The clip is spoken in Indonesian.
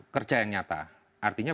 kerja yang nyata artinya